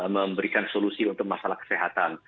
memberikan solusi untuk masalah kesehatan